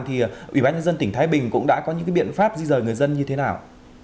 thì ủy ban nhân dân tỉnh thái bình cũng đã có những biện pháp di rời người dân như thế nào